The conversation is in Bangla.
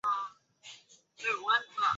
তাকে তো দাওয়াত দেইনি।